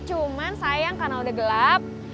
cuman sayang karena udah gelap